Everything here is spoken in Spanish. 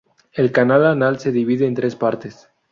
El canal anal se divide en tres partes.